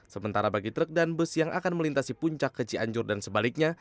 sementara bagi truk dan bus yang akan melintasi puncak ke cianjur dan sebaliknya